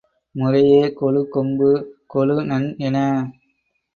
முறையே கொழுகொம்பு, கொழுநன் என